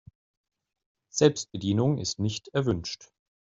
Selbstbedienung ist nicht erwünscht.